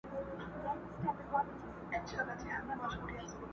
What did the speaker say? o کوږ بار تر منزله نه رسېږي !